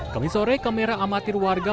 kemisore kamera amatir warga